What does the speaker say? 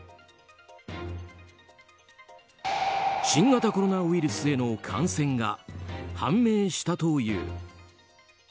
新型コロナウイルスへの感染が判明したという。